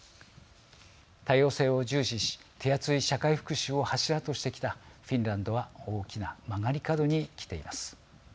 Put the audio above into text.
多様性を重視し手厚い社会福祉を柱としてきたフィンランドは大きな曲がり角に来ています。